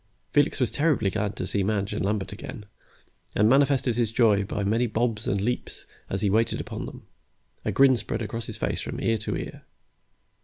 Felix was terribly glad to see Madge and Lambert again, and manifested his joy by many bobs and leaps as he waited upon them. A grin spread across his face from ear to ear.